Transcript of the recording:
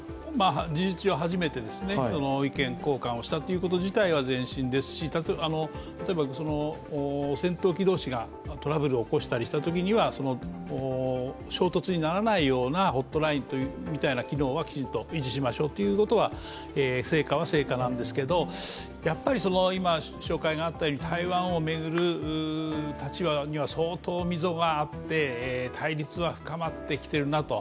事実上初めて意見交換をしたということ自体は前進ですし、例えば、戦闘機同士がトラブルを起こしたりしたときには衝突にならないようなホットラインみたいな機能はきちんと維持しましょうということは成果は成果なんですけどやっぱり今、紹介があったように台湾を巡る立場には相当、溝があって、対立は深まってきているなと。